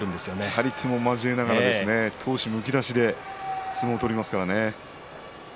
張り手も交えながら闘志むき出しで相撲を取りますからね。